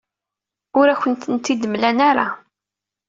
Ur akent-tent-id-mlan ara.